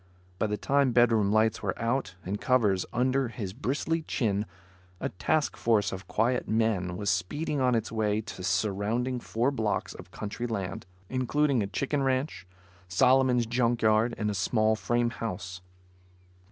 By the time bedroom lights were out and covers under his bristly chin, a task force of quiet men was speeding on its way to surround four blocks of country land; including a chicken ranch, Solomon's junk yard and a small frame house.